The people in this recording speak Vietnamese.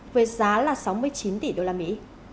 với giá là sáu mươi chín tỷ đô la mỹ